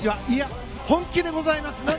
いや、本気でございます。